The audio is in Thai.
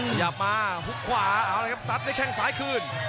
พยายามมาฮุกขวาอ๋ออะไรครับสัดด้วยแข่งสายคืน